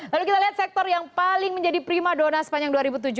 lalu kita lihat sektor yang paling menjadi prima dona sepanjang dua ribu tujuh belas